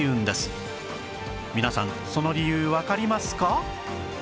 皆さんその理由わかりますか？